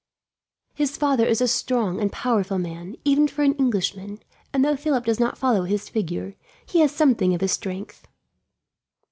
His father is a strong and powerful man, even for an Englishman; and though Philip does not follow his figure, he has something of his strength."